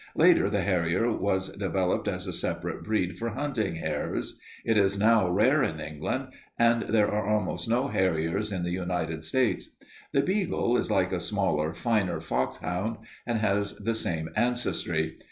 Later the harrier was developed as a separate breed for hunting hares. It is now rare in England and there are almost no harriers in the United States. The beagle is like a smaller, finer foxhound, and has the same ancestry.